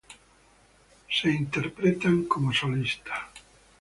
Son interpretadas como solista.